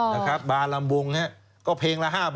นะครับบาลำวงเนี่ยก็เพลงละ๕๐๐